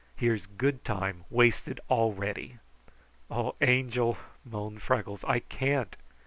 Here's good time wasted already." "Oh, Angel!" moaned Freckles, "I can't!